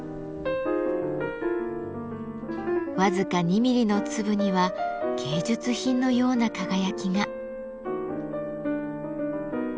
僅か２ミリの粒には芸術品のような輝きが。